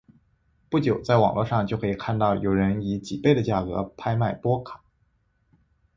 不久在网络上就可以看到有人以几倍的价格拍卖波卡。